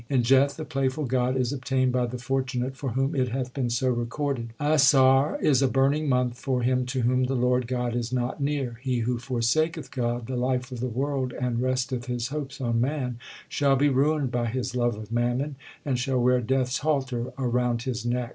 In Jeth the playful God is obtained by the fortunate for whom it hath been so recorded. Asarh 1 is a burning month for him to whom the Lord God is not near. He who forsaketh God the life of the world and resteth his hopes on man, Shall be ruined by his love of mammon, and shall wear Death s halter around his neck.